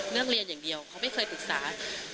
เลือกเรียนอย่างเดียวเขาไม่เคยปรึกษา